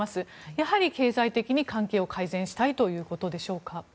やはり経済的に関係を改善したいということでしょうか。